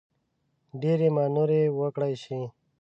ډېرې مانورې وکړای شي.